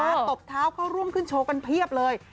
ตบเท้าเข้าร่วมขึ้นโชว์กันเพียบเลย